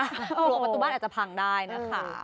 บัตรบ้านอาจจะผังได้นะคะ